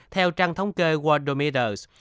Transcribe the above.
theo trang thống kê worldometers